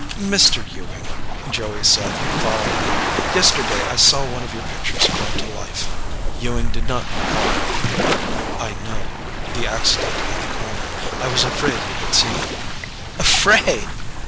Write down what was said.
"Mr. Ewing," Joey said, following him, "yesterday I saw one of your pictures come to life." Ewing did not look up. "I know. The accident at the corner. I was afraid you had seen it." "Afraid!"